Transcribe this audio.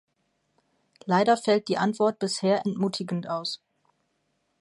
Leider fällt die Antwort bisher entmutigend aus.